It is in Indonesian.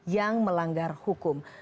yang melanggar hukum